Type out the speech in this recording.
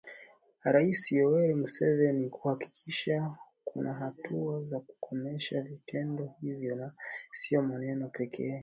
Rais Yoweri Museveni kuhakikisha kuna hatua za kukomesha vitendo hivyo na sio maneno pekee.